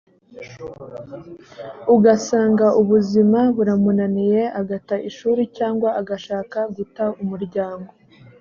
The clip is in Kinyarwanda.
ugasanga ubuzima buramunaniye agata ishuri cyangwa agashaka guta umuryango